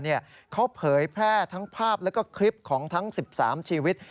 เขาเผยแพร่ทั้งภาพแล้วก็คลิปของทั้ง๑๓ชีวิต